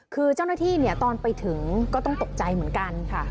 คือเจ้าหน้าที่ตอนไปถึงก็ต้องตกใจเหมือนกันค่ะ